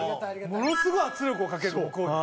ものすごい圧力をかける向こうに。